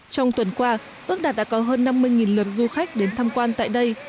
trong tuần qua ước đạt đã có hơn năm mươi lượt du khách đến thăm quan tại đây